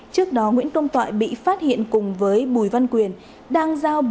trước đó nguyễn công toại bị phát hiện cùng với bùi văn quyền